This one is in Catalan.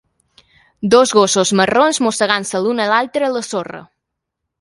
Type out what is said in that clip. Dos gossos marrons mossegant-se l'un a l'altre a la sorra.